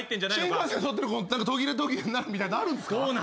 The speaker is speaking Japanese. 新幹線途切れ途切れになるみたいなのあるんすか？